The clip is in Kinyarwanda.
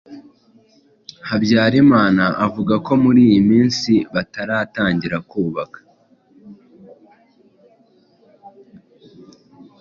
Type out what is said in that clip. Habyarimana avuga ko muri iyi minsi bataratangira kubaka